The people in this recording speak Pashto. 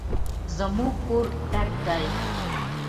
زموږ کور ډک دی